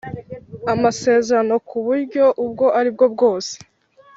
Amasezerano ku buryo ubwo aribwo bwose